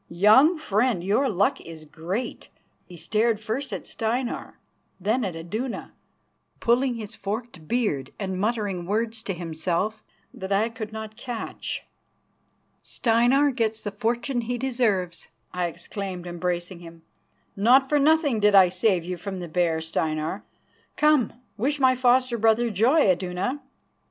Young friend, your luck is great," and he stared first at Steinar, then at Iduna, pulling his forked beard and muttering words to himself that I could not catch. "Steinar gets the fortune he deserves," I exclaimed, embracing him. "Not for nothing did I save you from the bear, Steinar. Come, wish my foster brother joy, Iduna."